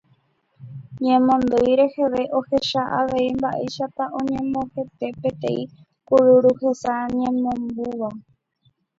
Ñemondýi reheve ohecha avei mba'éichapa oñembohete peteĩ kururu hesa ñemombúva.